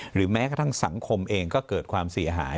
หรือแม้กระทั่งสังคมเองก็เกิดความเสียหาย